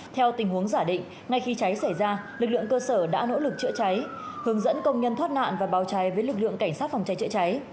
theo tình huống giả định ngay khi cháy xảy ra lực lượng cơ sở đã nỗ lực chữa cháy hướng dẫn công nhân thoát nạn và báo cháy với lực lượng cảnh sát phòng cháy chữa cháy